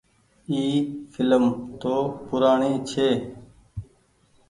اي ڦلم تو پورآڻي ڇي۔